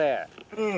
うん。